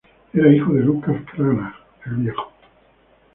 Era hijo de Lucas Cranach el Viejo.